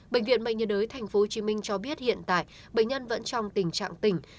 bệnh viện bệnh nhiệt đới tp hcm cho biết hiện tại bệnh nhân vẫn trong tình trạng tỉnh